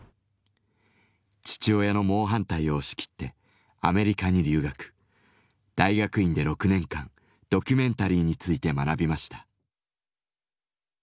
父親の猛反対を押し切ってアメリカに留学大学院で６年間ドキュメンタリーについて学びました。